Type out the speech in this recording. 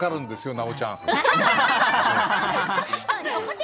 奈緒ちゃん！